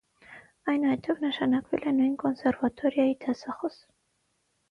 Այնուհետև նշանակվել է նույն կոնսերվատորիայի դասախոս։